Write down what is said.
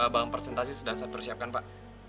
bank presentasi sudah saya persiapkan pak